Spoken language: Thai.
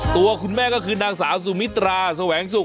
ตัวคุณแม่ก็คือนางสาวสุมิตราแสวงสุข